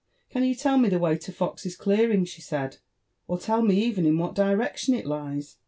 " Can you tell me the way to F<a's clearing?" she said, " or tell me even in what direction it lies?